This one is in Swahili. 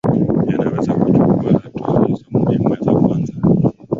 yanaweza kuchukua hatua hizo muhimu za kwanza